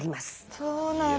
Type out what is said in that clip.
そうなんだ。